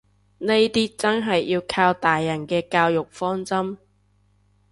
呢啲真係要靠大人嘅教育方針